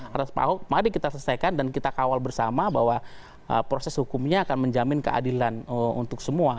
atas pak ahok mari kita selesaikan dan kita kawal bersama bahwa proses hukumnya akan menjamin keadilan untuk semua